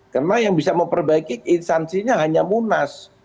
karena yang bisa memperbaiki instansinya hanya munas